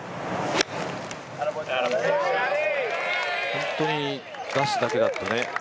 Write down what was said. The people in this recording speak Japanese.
本当に出すだけだったね。